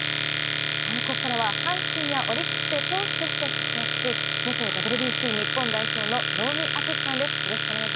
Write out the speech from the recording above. ここからは、阪神やオリックスで投手として活躍し、元ＷＢＣ日本代表の能見篤史さんです。